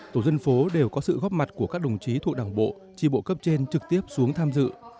tổ dân phố đều có sự góp mặt của các đồng chí thuộc đảng bộ chi bộ cấp trên trực tiếp xuống tham dự